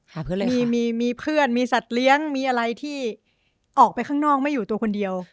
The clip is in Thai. มีมีเพื่อนมีสัตว์เลี้ยงมีอะไรที่ออกไปข้างนอกไม่อยู่ตัวคนเดียว